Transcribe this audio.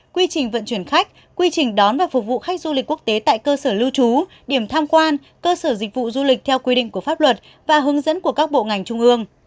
quy trình vận chuyển khách quy trình đón và phục vụ khách du lịch quốc tế tại cơ sở lưu trú điểm tham quan cơ sở dịch vụ du lịch theo quy định của pháp luật và hướng dẫn của các bộ ngành trung ương